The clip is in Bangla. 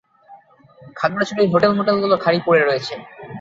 খাগড়াছড়ির হোটেল মোটেলগুলো খালি পড়ে রয়েছে।